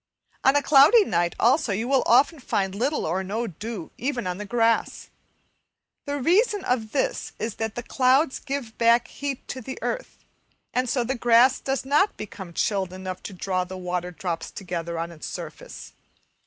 On a cloudy night also you will often find little or no dew even on the grass. The reason of this is that the clouds give back heat to the earth, and so the grass does not become chilled enough to draw the water drops together on its surface.